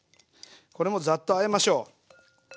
これもザッとあえましょう。